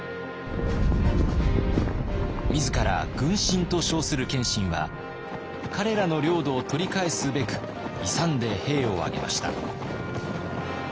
自ら「軍神」と称する謙信は彼らの領土を取り返すべく勇んで兵を挙げました。